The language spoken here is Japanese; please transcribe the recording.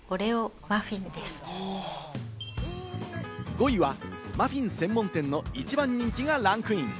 ５位はマフィン専門店の一番人気がランクイン。